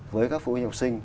với các phụ huynh học sinh